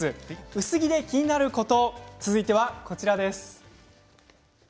薄着で気になること続いてはこちらです。